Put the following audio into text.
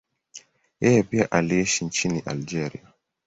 Yeye pia aliishi nchini Algeria.